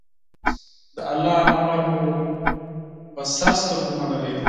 د الله امر مو په سر سترګو منلی دی.